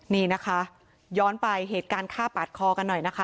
นี่นะคะย้อนไปเหตุการณ์ฆ่าปาดคอกันหน่อยนะคะ